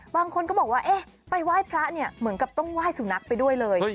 บางคนก็บอกว่าเอ๊ะไปไหว้พระเนี่ยเหมือนกับต้องไหว้สุนัขไปด้วยเลย